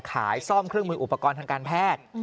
ขายซ่อมเครื่องมืออุปกรณ์ทางการแพทย์